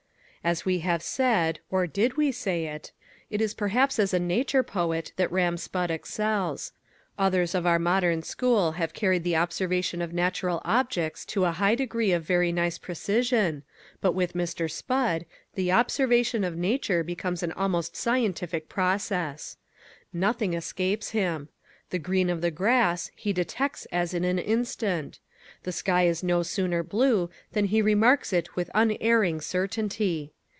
As we have said, or did we say it, it is perhaps as a nature poet that Ram Spudd excels. Others of our modern school have carried the observation of natural objects to a high degree of very nice precision, but with Mr. Spudd the observation of nature becomes an almost scientific process. Nothing escapes him. The green of the grass he detects as in an instant. The sky is no sooner blue than he remarks it with unerring certainty.